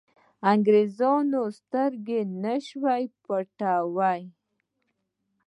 انګرېزانو سترګې نه شوای پټولای.